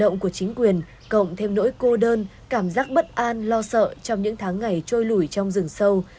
hoạt động của chính quyền cộng thêm nỗi cô đơn cảm giác bất an lo sợ trong những tháng ngày trôi lủi trong rừng sâu